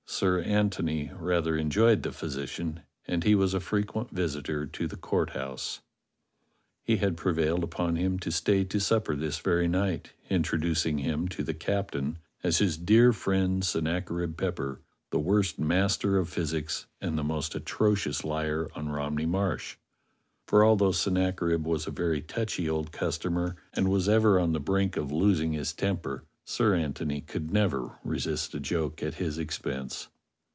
Sir Antony rather enjoyed the physician, and he was a frequent visitor to the Court House. He had prevailed upon him to stay to supper this very night, introducing him to the captain as his dear friend Sennacherib Pepper, the worst master of physics and the most atrocious liar on Romney Marsh, for although Sennacherib was a very touchy old customer and was ever on the brink of losing his 45 46 DOCTOR SYN temper, Sir Antony could never resist a joke at his expense.